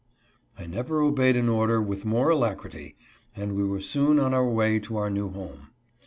I never obeyed an order with more alacrity, and we were soon on our way to our new home.